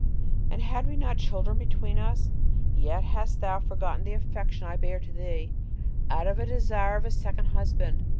and had we not children between us? Yet hast thou forgotten the affection I bare to thee, out of a desire of a second husband.